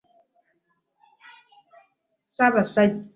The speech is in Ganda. Ssabasajja eyabibwaako akasawo ke ak'emandwa.